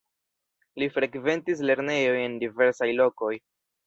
Li frekventis lernejojn en diversaj lokoj.